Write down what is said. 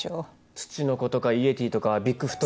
ツチノコとかイエティとかビッグフット。